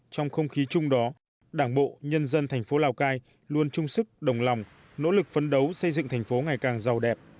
trong không khí chung đó đảng bộ nhân dân thành phố lào cai luôn trung sức đồng lòng nỗ lực phấn đấu xây dựng thành phố ngày càng giàu đẹp